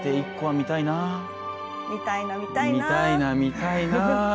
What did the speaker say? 見たいな、見たいな。